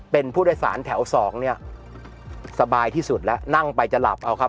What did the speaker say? เป็นผู้โดยสารแถวสองเนี่ยสบายที่สุดแล้วนั่งไปจะหลับเอาครับ